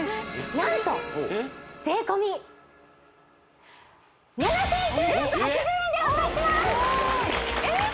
なんと税込７９８０円でお出ししますえっ？